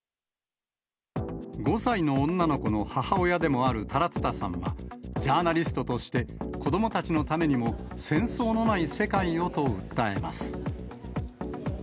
５歳の女の子の母親でもあるタラトゥタさんは、ジャーナリストとして、子どもたちのためにも戦争のない世界をと訴えます。